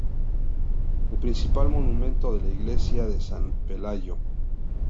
El principal monumento es la iglesia de San Pelayo.